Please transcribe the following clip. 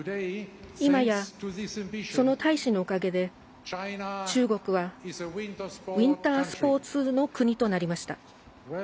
いまや、その大志のおかげで中国はウインタースポーツの国となりました。